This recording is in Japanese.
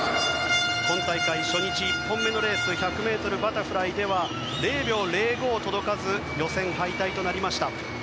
今大会初日、１本目のレースの１００ｍバタフライでは０秒０５届かず予選敗退となりました。